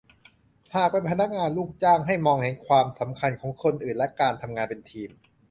หากเป็นพนักงานลูกจ้าง ให้มองเห็นความสำคัญของคนอื่นและการทำงานเป็นทีม